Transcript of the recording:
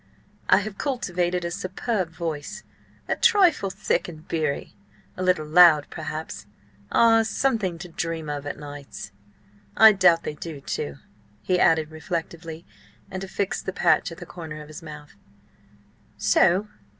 ... I have cultivated a superb voice, a trifle thick and beery, a little loud, perhaps–ah, something to dream of o' nights! I doubt they do, too," he added reflectively, and affixed the patch at the corner of his mouth. "So?